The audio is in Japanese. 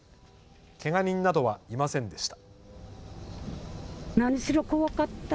けが人などはいませんでした。